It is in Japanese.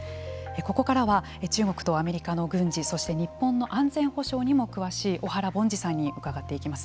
ここからは、中国とアメリカの軍事、そして日本の安全保障にも詳しい小原凡司さんに伺っていきます。